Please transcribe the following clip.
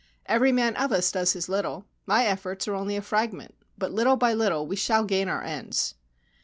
' Every man of us does his little. My efforts are only a fragment ; but little by little we shall gain our ends.'